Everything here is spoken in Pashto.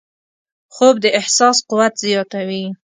خوب د احساس قوت زیاتوي